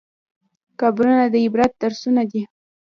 قبرونه د عبرت درسونه دي.